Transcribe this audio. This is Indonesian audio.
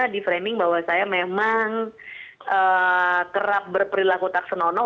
di framing bahwa saya memang terap berperilaku tak senonoh